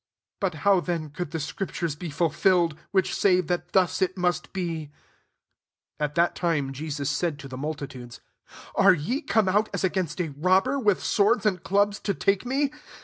54 But how then, could the scriptures be fulfilled, which say that thus it must be ?" 55 At that time Jesus said to the multitudes, " Are ye come out, as against a robber, with swords and clubs, to take me